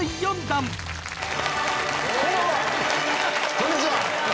こんにちは！